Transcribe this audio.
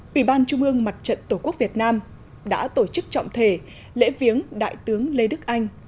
ủy ban trung ương mặt trận tổ quốc việt nam đã tổ chức trọng thể lễ viếng đại tướng lê đức anh